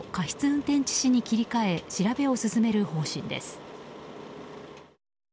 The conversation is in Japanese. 運転致死に切り替え調べを進める方針です。